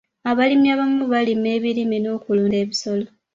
Abalimi abamu balima ebirime n'okulunda ebisolo.